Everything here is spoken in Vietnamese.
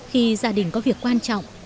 khi gia đình có việc quan trọng